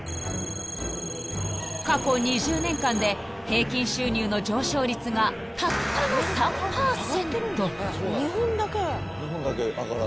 ［過去２０年間で平均収入の上昇率がたったの３％］